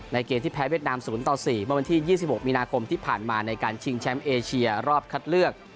เกมที่แพ้เวียดนาม๐ต่อ๔เมื่อวันที่๒๖มีนาคมที่ผ่านมาในการชิงแชมป์เอเชียรอบคัดเลือก